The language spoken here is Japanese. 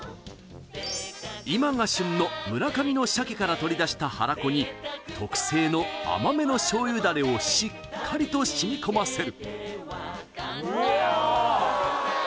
今が旬の村上の鮭から取り出したはらこに特製の甘めの醤油ダレをしっかりとしみ込ませる